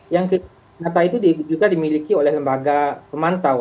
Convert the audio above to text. yang kedua data itu juga dimiliki oleh lembaga pemantau